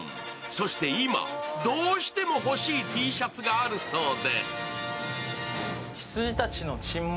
そして今、どうしても欲しいＴシャツがあるそうで。